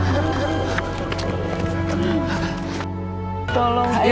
ini tolong aja ya